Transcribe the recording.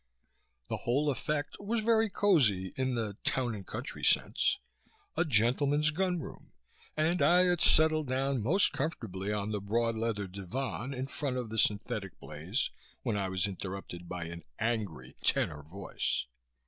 The whole effect was very cosy in the "Town and Country" sense a gentleman's gun room and I had settled down most comfortably on the broad leather divan in front of this synthetic blaze when I was interrupted by an angry, tenor voice.